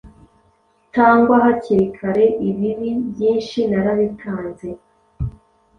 Tangwa hakiri kareIbibi byinshi narabitanze